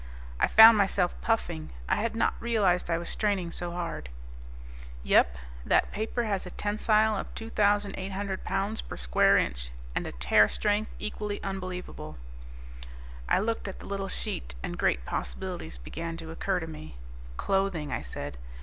I found myself puffing; I had not realized I was straining so hard. "Yup. That paper has a tensile of 2,800 pounds per square inch, and a tear strength equally unbelievable." I looked at the little sheet and great possibilities began to occur to me. "Clothing," I said.